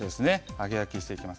揚げ焼きしていきます。